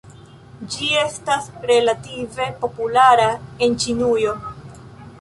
Ĝi estas relative populara en Ĉinujo.